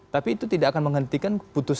tapi itu tidak akan menghentikan putusan